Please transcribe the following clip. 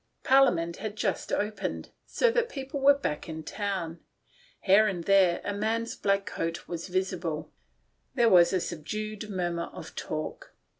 Parliament had just opened ; people were back in town. Here and there a man's black coat was visible. There was a subdued mur mur of talk.